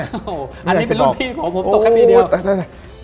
อันนี้เป็นรุ่นพี่ของผมตกแค่พี่เดียว